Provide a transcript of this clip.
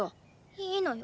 いいのよ